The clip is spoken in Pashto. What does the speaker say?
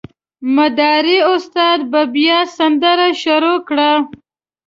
مداري استاد به بیا سندره شروع کړه.